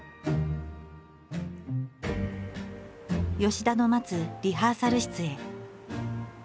吉田の待つリハーサル室へ。